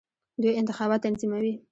دوی انتخابات تنظیموي.